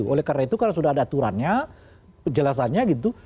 oleh karena itu sudah ada aturannya jelasannya gitu